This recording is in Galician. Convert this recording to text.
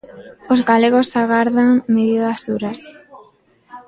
Os galegos agardan medidas duras.